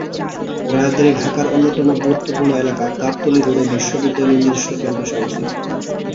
রাজধানী ঢাকার অন্যতম গুরুত্বপূর্ণ এলাকা গাবতলী রোডে বিশ্ববিদ্যালয়ের নিজস্ব ক্যাম্পাস অবস্থিত।